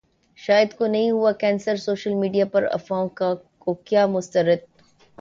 شاہد کونہیں ہوا ہے کینسر، سوشل میڈیا پرافواہوں کو کیا مسترد